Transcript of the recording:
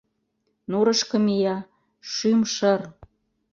Нурышко мия — шӱм «шыр»...